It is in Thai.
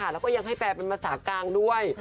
แล้วก็ยังให้แฟนเป็นภาษากลางด้วย